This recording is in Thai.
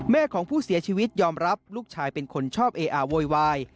แม่ของผู้เสียชีวิตยอมรับลูกชายเป็นคนชอบเออะโวยวาย